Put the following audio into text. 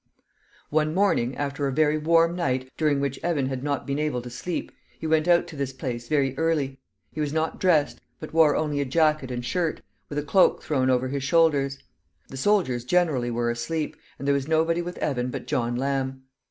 One morning, after a very warm night, during which Evan had not been able to sleep, he went out to this place very early. He was not dressed, but wore only a jacket and shirt, with a cloak thrown over his shoulders. The soldiers generally were asleep, and there was nobody with Evan but John Lamb.